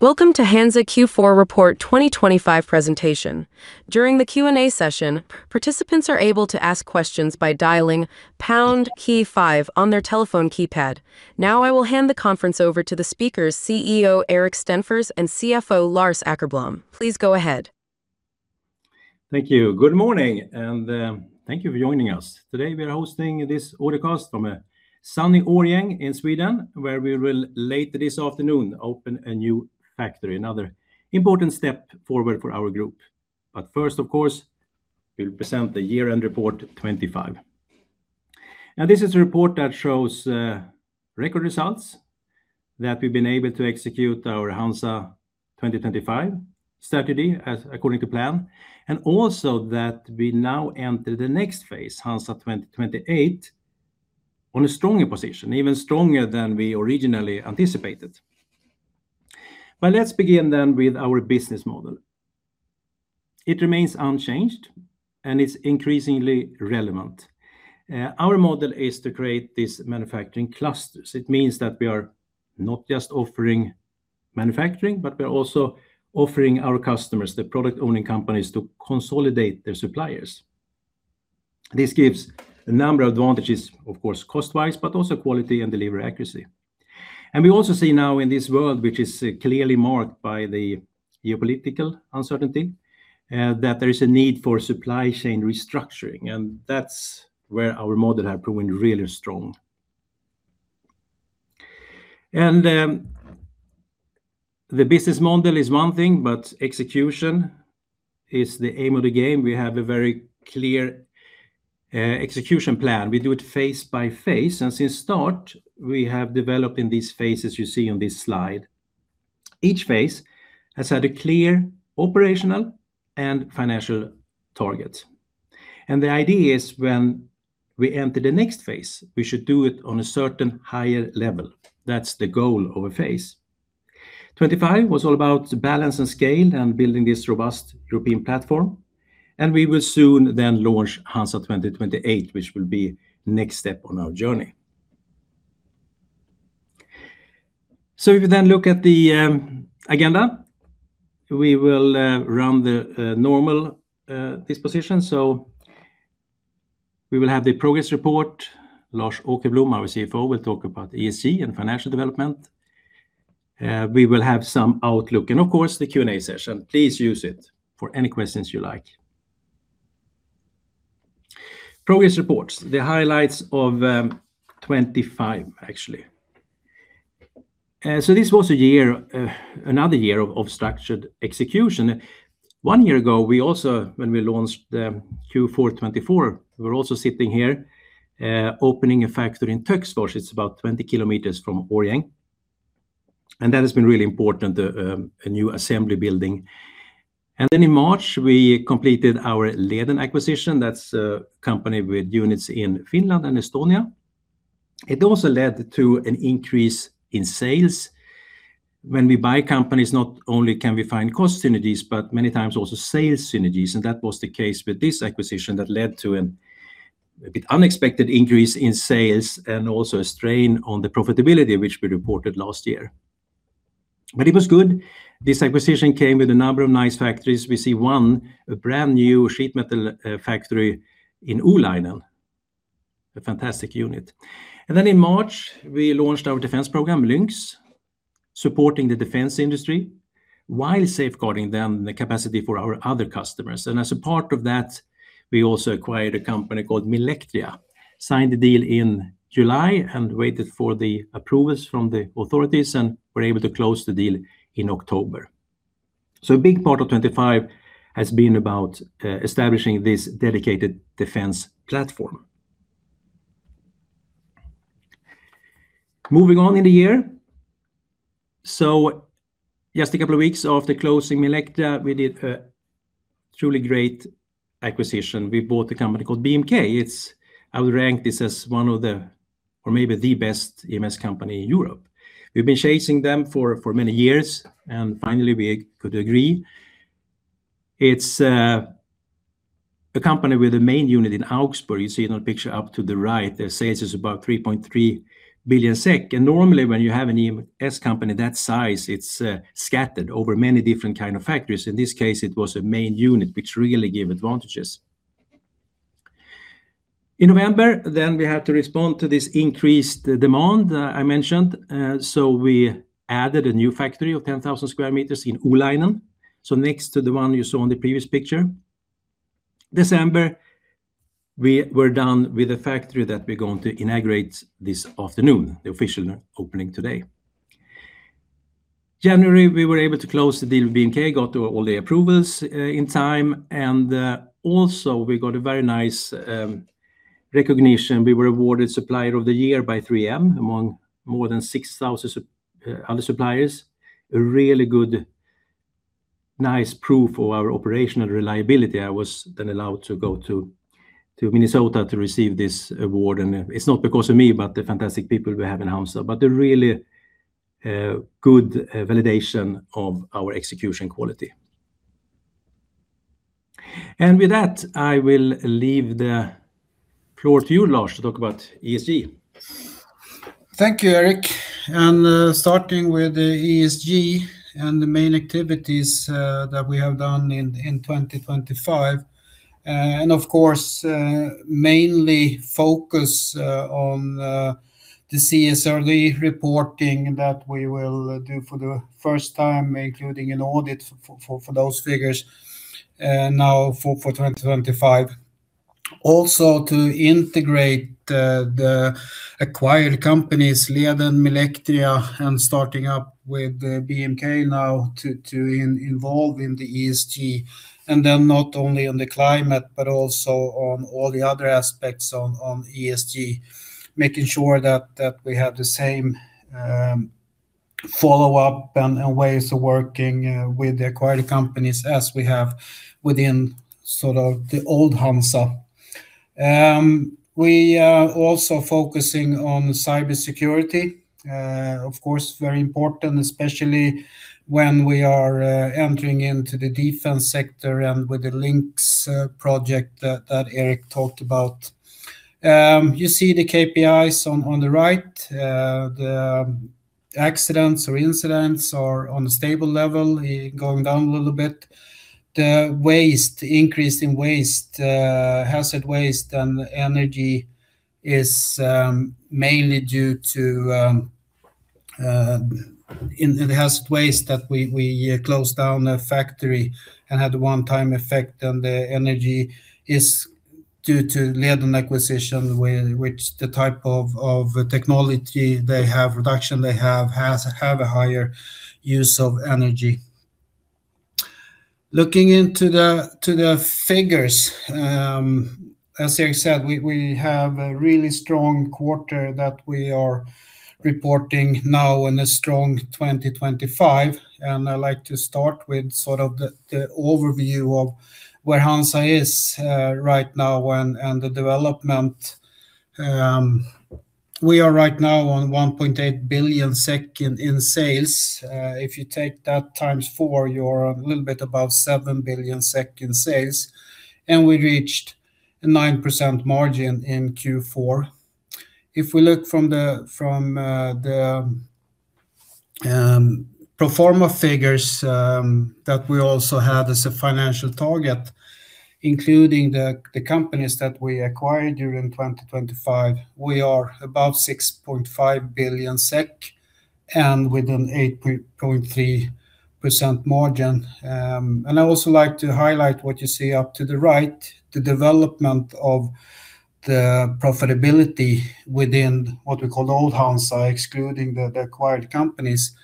Welcome to HANZA Q4 Report 2025 presentation. During the Q&A session, participants are able to ask questions by dialing pound, key five on their telephone keypad. Now, I will hand the conference over to the speakers, CEO Erik Stenfors and CFO Lars Åkerblom. Please go ahead. Thank you. Good morning, thank you for joining us. Today, we are hosting this webcast from a sunny Årjäng in Sweden, where we will later this afternoon open a new factory, another important step forward for our group. First, of course, we will present the year-end report 2025. This is a report that shows record results, that we've been able to execute our HANZA 2025 strategy as according to plan, also that we now enter the next phase, HANZA 2028, on a stronger position, even stronger than we originally anticipated. Let's begin with our business model. It remains unchanged, it's increasingly relevant. Our model is to create these manufacturing clusters. It means that we are not just offering manufacturing, but we are also offering our customers, the product-owning companies, to consolidate their suppliers. This gives a number of advantages, of course, cost-wise, but also quality and delivery accuracy. We also see now in this world, which is clearly marked by the geopolitical uncertainty, that there is a need for supply chain restructuring, and that's where our model have proven really strong. The business model is one thing, but execution is the aim of the game. We have a very clear execution plan. We do it phase by phase, and since start, we have developed in these phases you see on this slide. Each phase has had a clear operational and financial target. The idea is when we enter the next phase, we should do it on a certain higher level. That's the goal of a phase. 2025 was all about balance and scale and building this robust European platform. We will soon then launch HANZA 2028, which will be next step on our journey. If you then look at the agenda, we will run the normal disposition. We will have the progress report. Lars Åkerblom, our CFO, will talk about ESG and financial development. We will have some outlook and, of course, the Q&A session. Please use it for any questions you like. Progress reports. The highlights of 2025, actually. This was a year, another year of structured execution. One year ago, we also, when we launched the Q4 2024, we were also sitting here, opening a factory in Töcksfors. It's about 20 km from Årjäng. That has been really important, a new assembly building. In March, we completed our Leden acquisition. That's a company with units in Finland and Estonia. It also led to an increase in sales. When we buy companies, not only can we find cost synergies, but many times also sales synergies, and that was the case with this acquisition that led to an a bit unexpected increase in sales and also a strain on the profitability, which we reported last year. It was good. This acquisition came with a number of nice factories. We see one, a brand-new sheet metal factory in Oulainen, a fantastic unit. In March, we launched our defense program, LYNX, supporting the defense industry while safeguarding them, the capacity for our other customers. As a part of that, we also acquired a company called Milectria, signed the deal in July and waited for the approvals from the authorities and were able to close the deal in October. A big part of 25 has been about establishing this dedicated defense platform. Moving on in the year. Just a couple of weeks after closing Milectria, we did a truly great acquisition. We bought a company called BMK. I would rank this as one of the, or maybe the best EMS company in Europe. We've been chasing them for many years, and finally, we could agree. It's a company with a main unit in Augsburg. You see it on picture up to the right. The sales is about 3.3 billion SEK. Normally, when you have an EMS company that size, it's scattered over many different kind of factories. In this case, it was a main unit which really give advantages. In November, we had to respond to this increased demand I mentioned. We added a new factory of 10,000 square meters in Oulainen. Next to the one you saw on the previous picture. December, we were done with the factory that we're going to inaugurate this afternoon, the official opening today. January, we were able to close the deal with BMK, got all the approvals in time, and also we got a very nice recognition. We were awarded Supplier of the Year by 3M among more than 6,000 other suppliers. A really good, nice proof of our operational reliability. I was then allowed to go to Minnesota to receive this award, and it's not because of me, but the fantastic people we have in HANZA, but a really good validation of our execution quality. With that, I will leave the floor to you, Lars, to talk about ESG. Thank you, Eric. Starting with the ESG and the main activities that we have done in 2025, and of course, mainly focus on the CSRD reporting that we will do for the first time, including an audit for those figures now for 2025. Also, to integrate the acquired companies, Leden, Milectria, and starting up with the BMK now to involve in the ESG. Then not only on the climate, but also on all the other aspects on ESG, making sure that we have the same follow-up and ways of working with the acquired companies as we have within sort of the Old HANZA. We are also focusing on cybersecurity. Of course, very important, especially when we are entering into the defense sector and with the LYNX project that Erik Stenfors talked about. You see the KPIs on the right. The accidents or incidents are on a stable level, going down a little bit. The waste, increase in waste, hazard waste and energy is mainly due to. In the hazard waste, we closed down a factory and had a one-time effect. On the energy is due to Leden acquisition, where which the type of technology they have, reduction they have, have a higher use of energy. Looking into the figures, as Erik said, we have a really strong quarter that we are reporting now, and a strong 2025. I'd like to start with sort of the overview of where HANZA is right now and the development. We are right now on 1.8 billion in sales. If you take that times four, you're a little bit above 7 billion in sales. We reached a 9% margin in Q4. If we look from the pro forma figures that we also had as a financial target, including the companies that we acquired during 2025, we are about 6.5 billion SEK. With an 8.3% margin. I also like to highlight what you see up to the right, the development of the profitability within what we call Old HANZA, excluding the acquired companies.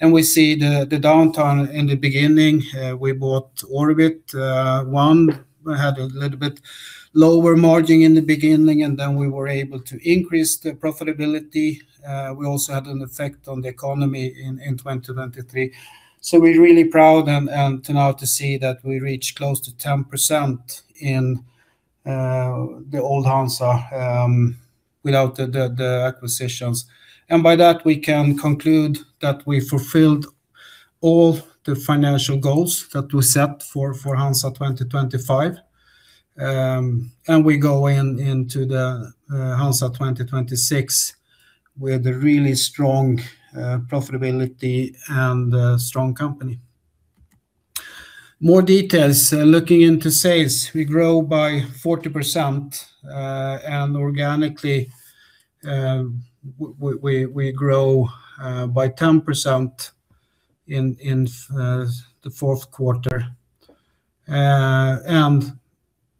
We see the downturn in the beginning. We bought Orbit One had a little bit lower margin in the beginning, and then we were able to increase the profitability. We also had an effect on the economy in 2023. So we're really proud and to now to see that we reached close to 10% in the Old HANZA, without the acquisitions. By that, we can conclude that we fulfilled all the financial goals that we set for HANZA 2025. We go into the HANZA 2026 with a really strong profitability and a strong company. More details, looking into sales, we grow by 40%, and organically, we grow by 10% in the fourth quarter.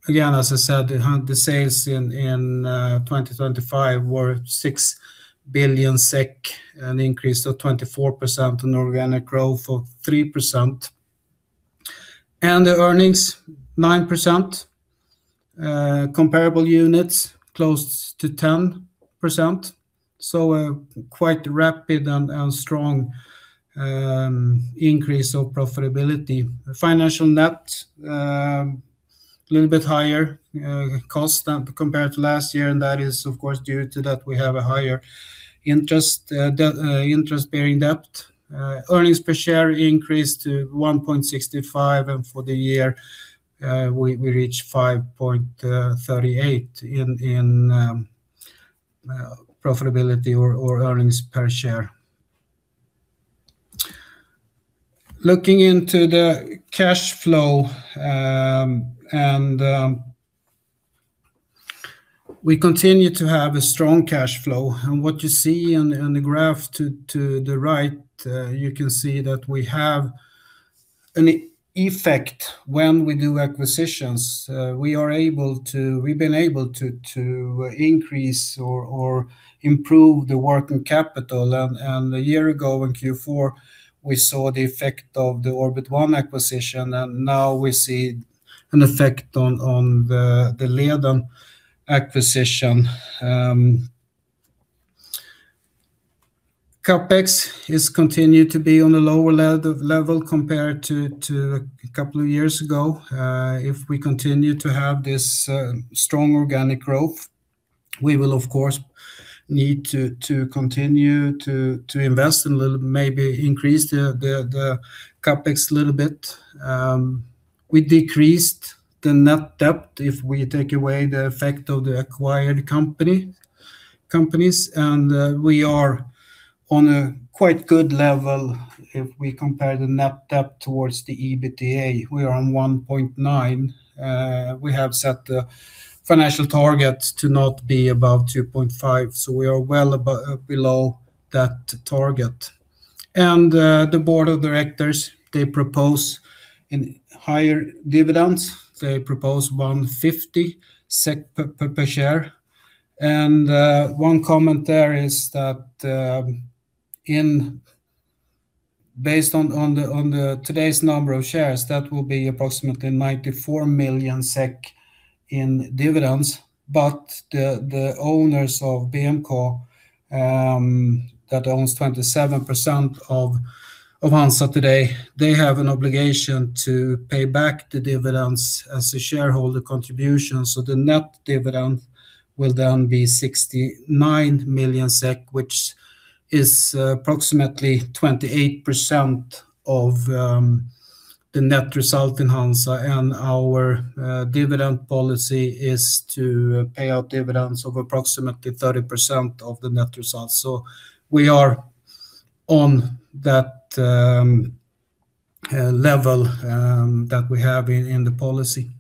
Again, as I said, the sales in 2025 were 6 billion SEK, an increase of 24% and organic growth of 3%. The earnings, 9%, comparable units, close to 10%, so a quite rapid and strong increase of profitability. Financial net, a little bit higher cost compared to last year, that is of course, due to that we have a higher interest, interest-bearing debt. Earnings per share increased to 1.65. For the year, we reached 5.38 in profitability or earnings per share. Looking into the cash flow, we continue to have a strong cash flow. What you see on the graph to the right, you can see that we have an effect when we do acquisitions. We've been able to increase or improve the working capital. A year ago, in Q4, we saw the effect of the Orbit One acquisition, and now we see an effect on the Leden acquisition. CapEx is continued to be on a lower level compared to a couple of years ago. If we continue to have this strong organic growth, we will, of course, need to continue to invest a little, maybe increase the CapEx a little bit. We decreased the net debt if we take away the effect of the acquired company, companies, and we are on a quite good level if we compare the net debt towards the EBITDA. We are on 1.9. We have set the financial target to not be above 2.5, so we are well below that target. The board of directors, they propose in higher dividends. They propose 1.50 SEK per share. One comment there is that based on the today's number of shares, that will be approximately 94 million SEK in dividends, but the owners of BMK that owns 27% of HANZA today, they have an obligation to pay back the dividends as a shareholder contribution. The net dividend will then be 69 million SEK, which is approximately 28% of the net result in HANZA, and our dividend policy is to pay out dividends of approximately 30% of the net results. We are on that level that we have in the policy.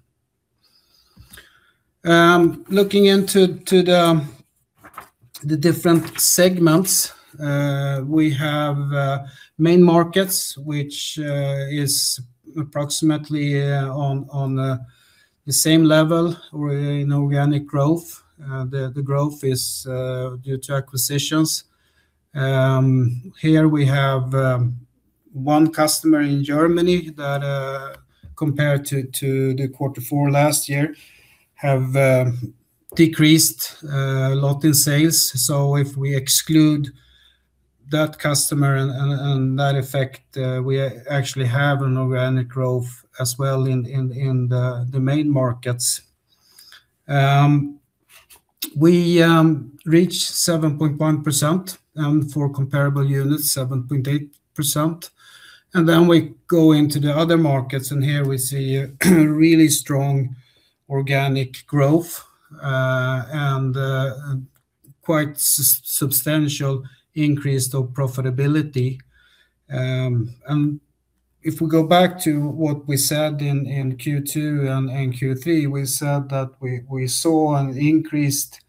Looking into the different segments, we have main markets, which is approximately on the same level or in organic growth. The growth is due to acquisitions. Here we have one customer in Germany that compared to the quarter four last year, have decreased a lot in sales. If we exclude that customer and that effect, we actually have an organic growth as well in the main markets. We reach 7.1%, and for comparable units, 7.8%. Then we go into the other markets, and here we see a really strong organic growth and quite substantial increase of profitability. If we go back to what we said in Q2 and in Q3, we said that we saw an increased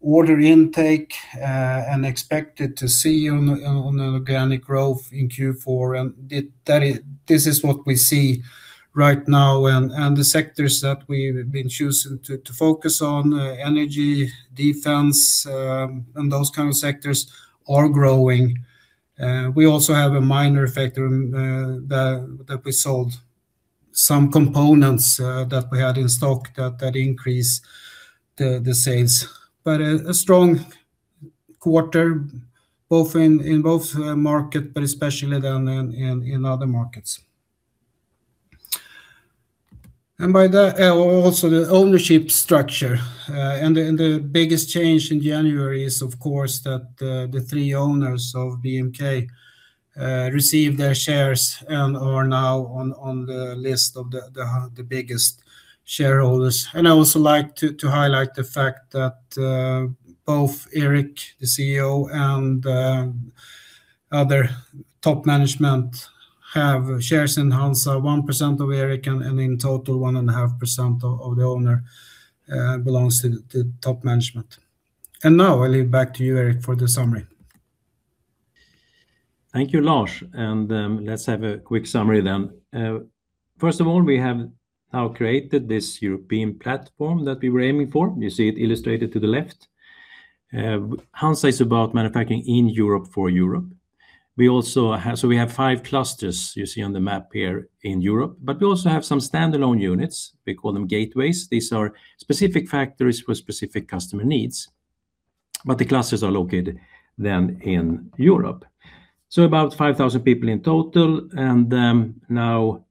order intake and expected to see organic growth in Q4, and that is, this is what we see right now, and the sectors that we've been choosing to focus on, energy, defense, and those kind of sectors are growing. We also have a minor factor that we sold some components that we had in stock that increased the sales. A strong quarter, both in both market, but especially then in other markets. By that, also the ownership structure, and the biggest change in January is, of course, that the three owners of BMK received their shares and are now on the list of the biggest shareholders. I also like to highlight the fact that both Eric, the CEO, and other top management have shares in HANZA, 1% of Eric, and in total, 1.5% of the owner belongs to the top management. Now I leave back to you, Eric, for the summary. Thank you, Lars, and let's have a quick summary then. First of all, we have now created this European platform that we were aiming for. You see it illustrated to the left. HANZA is about manufacturing in Europe for Europe. We have five clusters you see on the map here in Europe, but we also have some standalone units. We call them gateways. These are specific factories for specific customer needs, but the clusters are located then in Europe. About 5,000 people in total, and now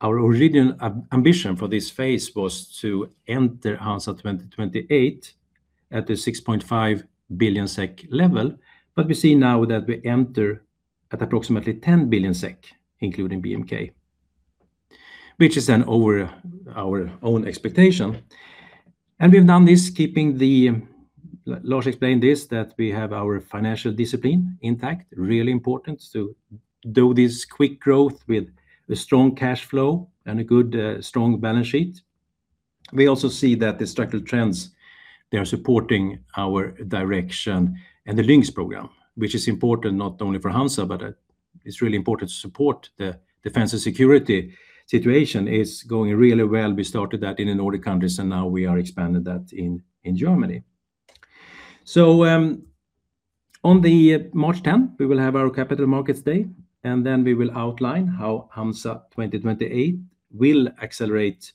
our original ambition for this phase was to enter HANZA 2028 at the 6.5 billion SEK level, but we see now that we enter at approximately 10 billion SEK, including BMK, which is then over our own expectation. We've done this keeping the... Lars explained this, that we have our financial discipline intact. Really important to do this quick growth with a strong cash flow and a good, strong balance sheet. We also see that the structural trends, they are supporting our direction and the LYNX program, which is important not only for HANZA, but it's really important to support the defense and security situation is going really well. We started that in the Nordic countries, now we are expanding that in Germany. On the March 10th, we will have our capital markets day, then we will outline how HANZA 2028 will accelerate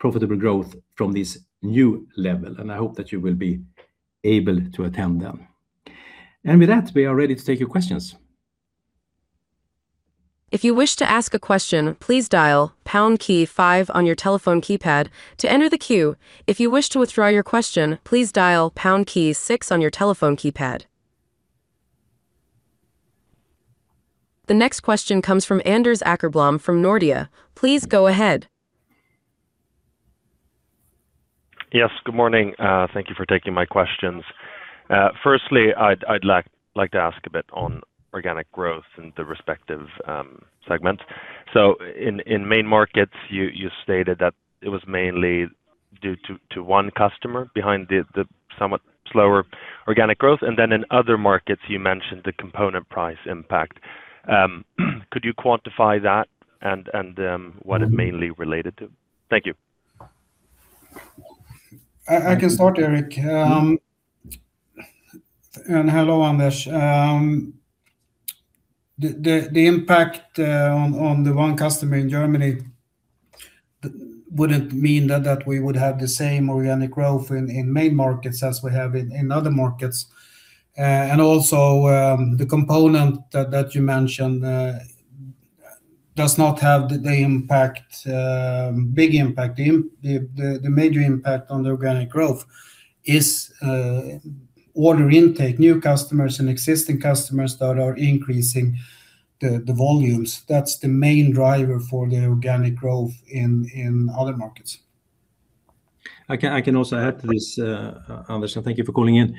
profitable growth from this new level, I hope that you will be able to attend them. With that, we are ready to take your questions. If you wish to ask a question, please dial pound key five on your telephone keypad to enter the queue. If you wish to withdraw your question, please dial pound key six on your telephone keypad. The next question comes from Anders Åkerblom, from Nordea. Please go ahead. Yes, good morning, thank you for taking my questions. Firstly, I'd like to ask a bit on organic growth and the respective segments. In main markets, you stated that it was mainly due to one customer behind the somewhat slower organic growth. Then in other markets, you mentioned the component price impact. Could you quantify that and what it mainly related to? Thank you. I can start, Erik. And hello, Anders. The impact on the one customer in Germany wouldn't mean that we would have the same organic growth in main markets as we have in other markets. And also, the component that you mentioned does not have the impact, big impact. The major impact on the organic growth is order intake, new customers and existing customers that are increasing the volumes. That's the main driver for the organic growth in other markets. I can also add to this, Anders, thank you for calling in.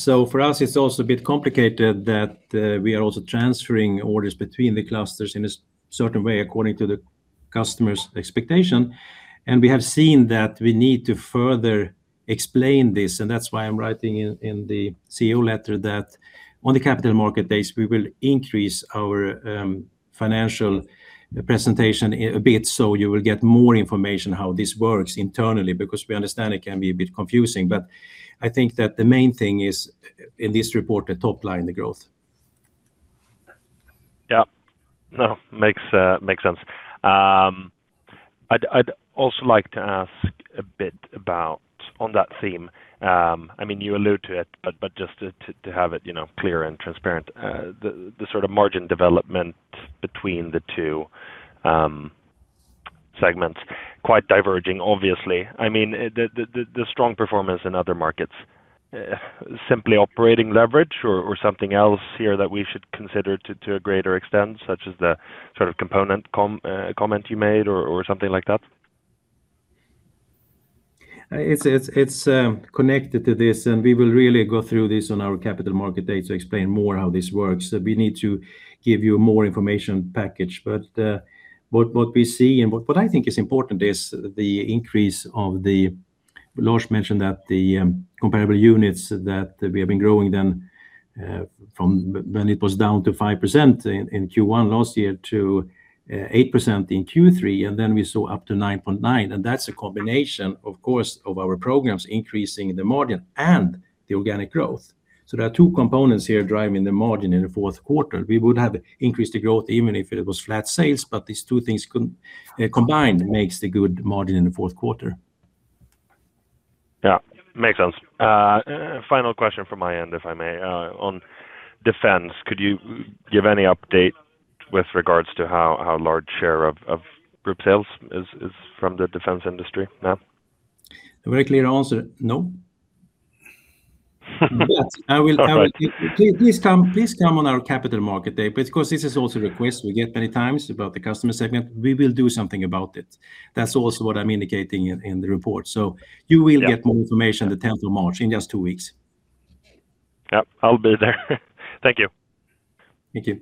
For us, it's also a bit complicated that we are also transferring orders between the clusters in a certain way, according to the customer's expectation. We have seen that we need to further explain this, and that's why I'm writing in the CEO letter that on the capital market days, we will increase our financial presentation a bit, so you will get more information how this works internally, because we understand it can be a bit confusing. I think that the main thing is, in this report, the top line, the growth. Yeah. No, makes makes sense. I'd also like to ask a bit about, on that theme, I mean, you allude to it, but just to have it, you know, clear and transparent. The sort of margin development between the two segments, quite diverging, obviously. I mean, the strong performance in other markets, simply operating leverage or, or something else here that we should consider to a greater extent, such as the sort of component comment you made or, or something like that? It's connected to this, and we will really go through this on our capital market day to explain more how this works. We need to give you more information package. What we see and what I think is important is the increase of the... Lars mentioned that the comparable units that we have been growing them from when it was down to 5% in Q1 last year to 8% in Q3, and then we saw up to 9.9, and that's a combination, of course, of our programs increasing the margin and the organic growth. There are two components here driving the margin in the fourth quarter. We would have increased the growth even if it was flat sales, but these two things combined makes the good margin in the fourth quarter. Yeah. Makes sense. Final question from my end, if I may. On defense, could you give any update with regards to how large share of group sales is from the defense industry now? A very clear answer, no. Perfect. I will. Please come on our capital market day, because this is also a request we get many times about the customer segment. We will do something about it. That's also what I'm indicating in the report. You will- Yeah... get more information the 10th of March, in just two weeks. Yep, I'll be there. Thank you. Thank you.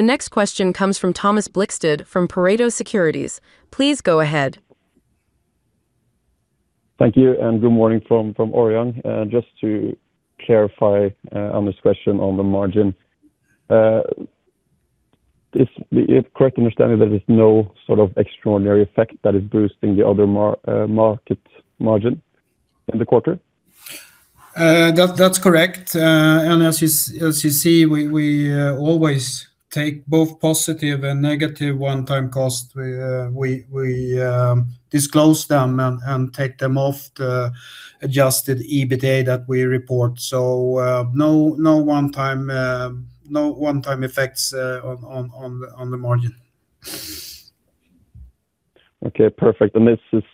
The next question comes from Thomas Blikstad, from Pareto Securities. Please go ahead. Thank you. Good morning from Orion. Just to clarify, on this question on the margin, is it correct understanding there is no sort of extraordinary effect that is boosting the other market margin in the quarter? That's correct. As you see, we always take both positive and negative one-time cost. We disclose them and take them off the adjusted EBITA that we report. No one time, no one time effects on the margin. Okay, perfect. This is,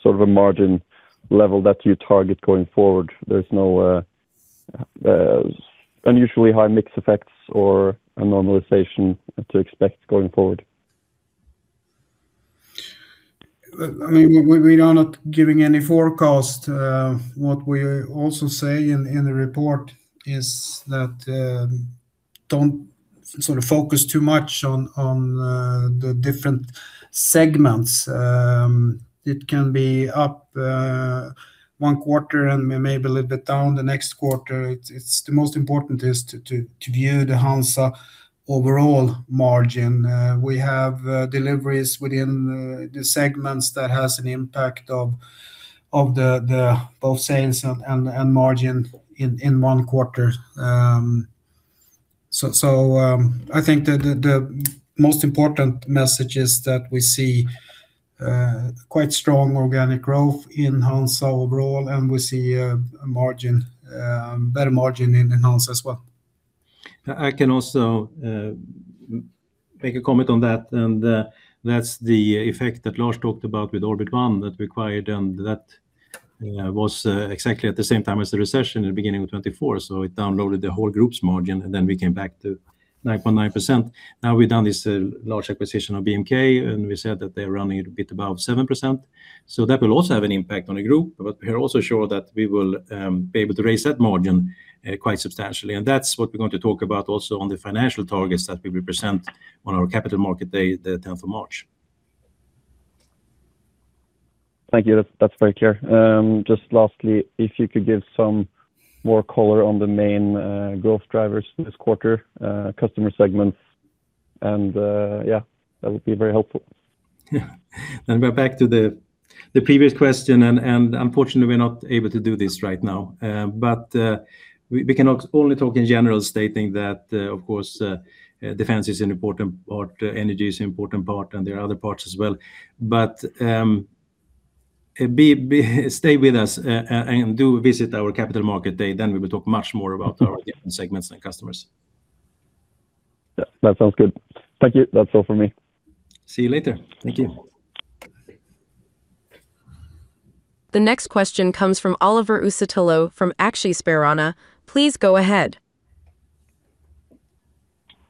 sort of a margin level that you target going forward. There's no unusually high mix effects or a normalization to expect going forward? I mean, we are not giving any forecast. What we also say in the report is that don't sort of focus too much on the different segments. It can be up one quarter and maybe a little bit down the next quarter. It's the most important is to view the HANZA overall margin. We have deliveries within the segments that has an impact of the both sales and margin in one quarter. I think the most important message is that we see quite strong organic growth in HANZA overall, and we see a margin, better margin in HANZA as well. I can also make a comment on that, and that's the effect that Lars talked about with Orbit One that required, and that was exactly at the same time as the recession in the beginning of 2024. It downloaded the whole group's margin, and then we came back to 9.9%. We've done this large acquisition of BMK, and we said that they're running it a bit above 7%, that will also have an impact on the group. We're also sure that we will be able to raise that margin quite substantially, and that's what we're going to talk about also on the financial targets that we will present on our capital market day, the 10th of March. Thank you. That's very clear. Just lastly, if you could give some more color on the main growth drivers this quarter, customer segments, and yeah, that would be very helpful. Yeah. We're back to the previous question, and unfortunately, we're not able to do this right now. We can only talk in general, stating that, of course, defense is an important part, energy is an important part, and there are other parts as well. Stay with us, and do visit our capital market day, then we will talk much more about our different segments and customers. Yeah, that sounds good. Thank you. That's all for me. See you later. Thank you. The next question comes from Oliver Uusitalo from Aktiespararna. Please go ahead.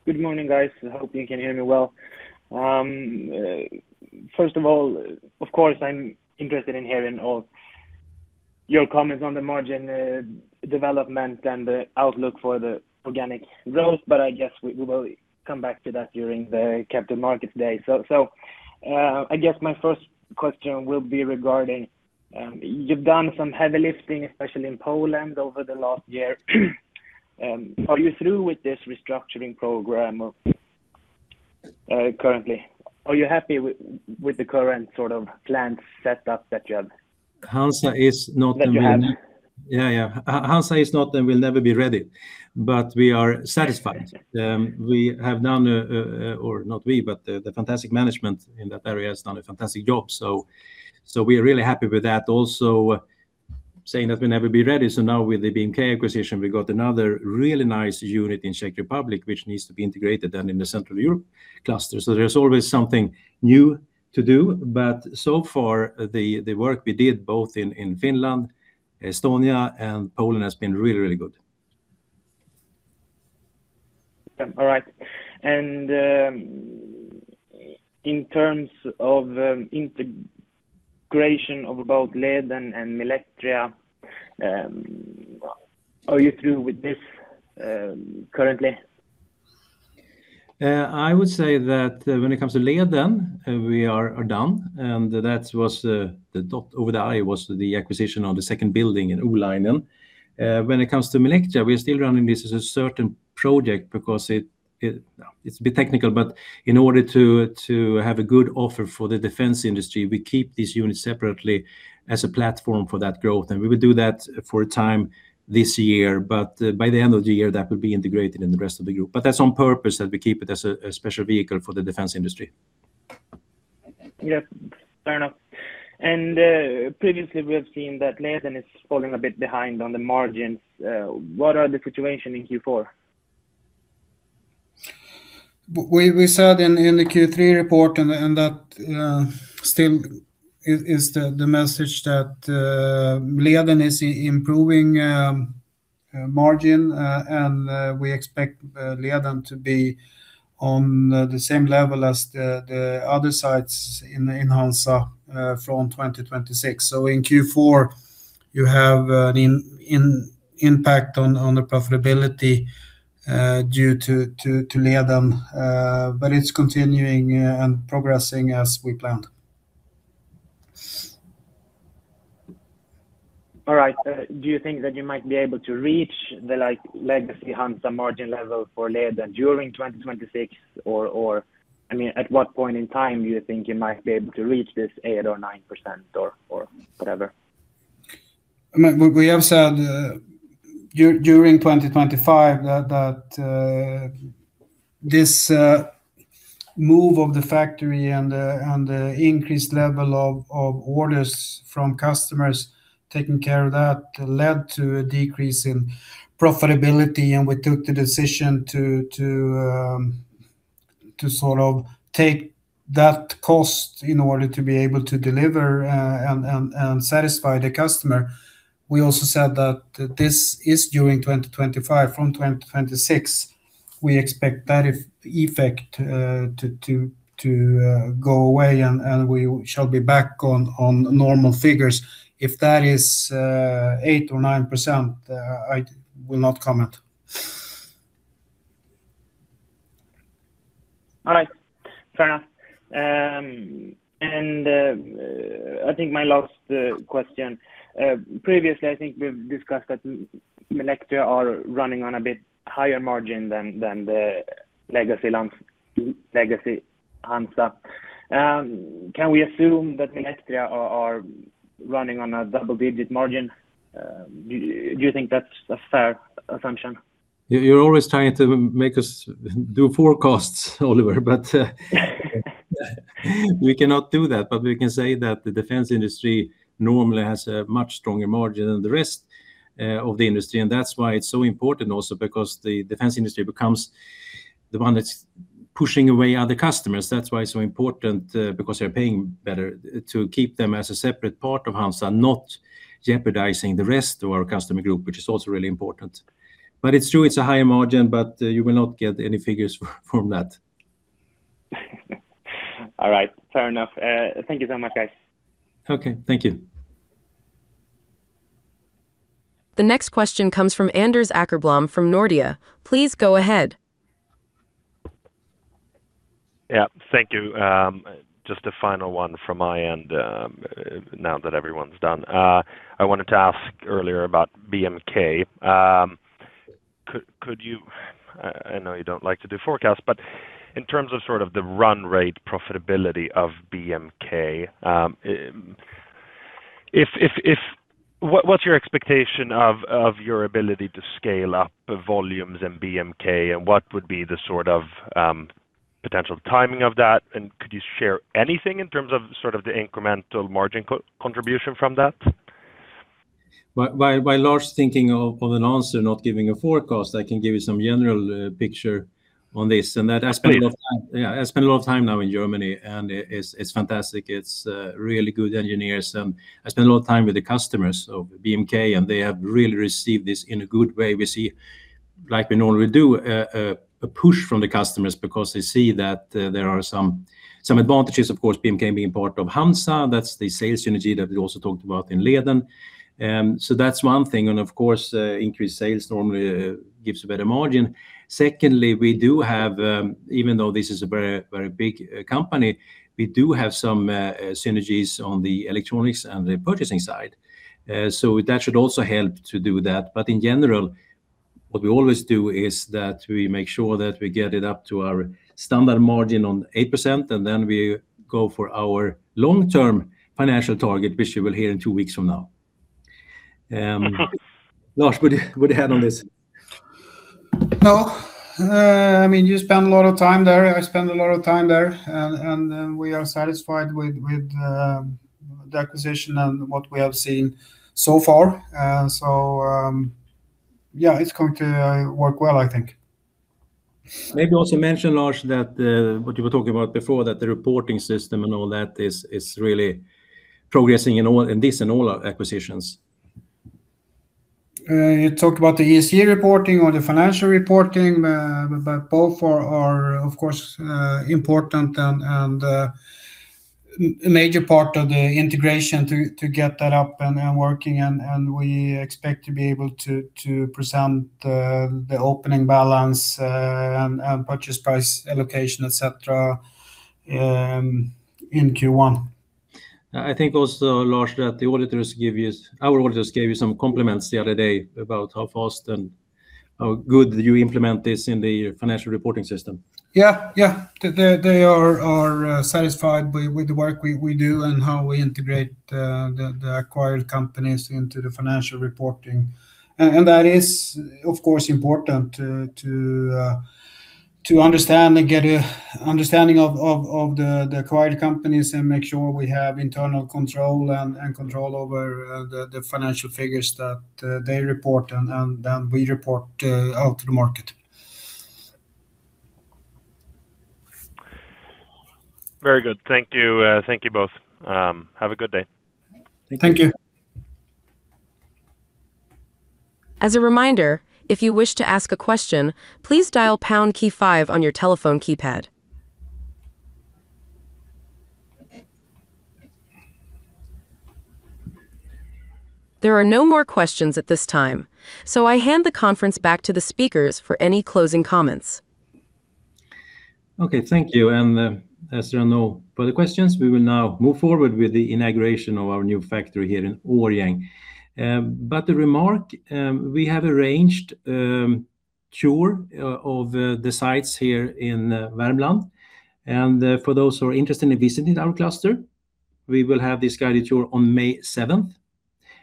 Good morning, guys. I hope you can hear me well. First of all, of course, I'm interested in hearing all your comments on the margin development and the outlook for the organic growth, but I guess we will come back to that during the capital markets day. I guess my first question will be regarding, you've done some heavy lifting, especially in Poland, over the last year. Are you through with this restructuring program currently? Are you happy with the current sort of plan set up that you have? HANZA is not-. That you have. Yeah, yeah. HANZA is not and will never be ready, but we are satisfied. We have done, or not we, but the fantastic management in that area has done a fantastic job, so we are really happy with that. Also, saying that we'll never be ready, now with the BMK acquisition, we got another really nice unit in Czech Republic, which needs to be integrated in the Central Europe cluster. There's always something new to do, but so far, the work we did both in Finland, Estonia, and Poland has been really, really good. All right. In terms of integration of about Leden and Milectria, are you through with this, currently? I would say that when it comes to Leden, we are done, and that was the dot over the I was the acquisition on the second building in Oulainen. When it comes to Milectria, we are still running this as a certain project because it's a bit technical, but in order to have a good offer for the defense industry, we keep this unit separately as a platform for that growth, and we will do that for a time this year. By the end of the year, that will be integrated in the rest of the group. That's on purpose, that we keep it as a special vehicle for the defense industry. Yep, fair enough. previously, we have seen that Leden is falling a bit behind on the margins. What are the situation in Q4? We said in the Q3 report and that still is the message that Leden is improving margin, and we expect Leden to be on the same level as the other sites in HANZA from 2026. In Q4, you have an impact on the profitability due to Leden, but it's continuing and progressing as we planned. All right. Do you think that you might be able to reach the, like, legacy HANZA margin level for Leden during 2026? Or, I mean, at what point in time do you think you might be able to reach this 8% or 9% or whatever? I mean, we have said during 2025 that this move of the factory and increased level of orders from customers taking care of that led to a decrease in profitability, and we took the decision to sort of take that cost in order to be able to deliver and satisfy the customer. We also said that this is during 2025. From 2026, we expect that effect to go away, and we shall be back on normal figures. If that is 8% or 9%, I will not comment. All right. Fair enough. I think my last question previously, I think we've discussed that Milectria are running on a bit higher margin than legacy HANZA. Can we assume that the Milectria are running on a double-digit margin? Do you think that's a fair assumption? You're always trying to make us do forecasts, Oliver, but we cannot do that. We can say that the defense industry normally has a much stronger margin than the rest of the industry, and that's why it's so important also because the defense industry becomes the one that's pushing away other customers. That's why it's so important because they're paying better to keep them as a separate part of HANZA, not jeopardizing the rest of our customer group, which is also really important. It's true, it's a higher margin, but you will not get any figures from that. All right, fair enough. Thank you so much, guys. Okay, thank you. The next question comes from Anders Åkerblom from Nordea. Please go ahead. Yeah, thank you. Just a final one from my end, now that everyone's done. I wanted to ask earlier about BMK. Could you I know you don't like to do forecasts, but in terms of sort of the run rate profitability of BMK, what's your expectation of your ability to scale up the volumes in BMK, and what would be the sort of potential timing of that? Could you share anything in terms of sort of the incremental margin contribution from that? Well, while Lars thinking of an answer, not giving a forecast, I can give you some general picture on this. Great. That I spent a lot of time... Yeah, I spent a lot of time now in Germany, and it's fantastic. It's really good engineers. I spent a lot of time with the customers of BMK, and they have really received this in a good way. We see, like we normally do, a push from the customers because they see that there are some advantages, of course, BMK being part of HANZA. That's the sales synergy that we also talked about in Leden. That's one thing, and of course, increased sales normally gives a better margin. Secondly, we do have, even though this is a very big company, we do have some synergies on the electronics and the purchasing side. That should also help to do that. In general, what we always do is that we make sure that we get it up to our standard margin on 8%, and then we go for our long-term financial target, which you will hear in two weeks from now. Lars, what do you add on this? I mean, you spent a lot of time there. I spent a lot of time there, and we are satisfied with the acquisition and what we have seen so far. Yeah, it's going to work well, I think. Maybe also mention, Lars, that, what you were talking about before, that the reporting system and all that is really progressing in all, in this and all our acquisitions. You talked about the ESG reporting or the financial reporting, but both are, of course, important and a major part of the integration to get that up and working. We expect to be able to present the opening balance and purchase price allocation, et cetera, in Q1. I think also, Lars Åkerblom, that Our auditors gave you some compliments the other day about how fast and how good you implement this in the financial reporting system. Yeah, yeah. They are satisfied with the work we do and how we integrate the acquired companies into the financial reporting. That is, of course, important to understand and get an understanding of the acquired companies and make sure we have internal control and control over the financial figures that they report. Then we report out to the market. Very good. Thank you. Thank you both. Have a good day. Thank you. Thank you. As a reminder, if you wish to ask a question, please dial pound key five on your telephone keypad. There are no more questions at this time, I hand the conference back to the speakers for any closing comments. Okay, thank you. As there are no further questions, we will now move forward with the integration of our new factory here in Årjäng. The remark, we have arranged a tour of the sites here in Värmland. For those who are interested in visiting our cluster, we will have this guided tour on May seventh,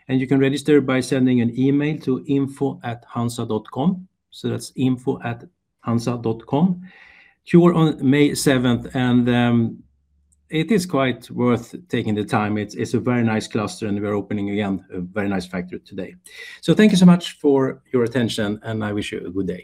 and you can register by sending an email to info@hanza.com. That's info@hanza.com. Tour on May seventh, it is quite worth taking the time. It's a very nice cluster, and we're opening again a very nice factory today. Thank you so much for your attention, and I wish you a good day.